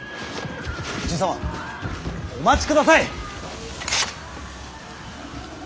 爺様お待ちください！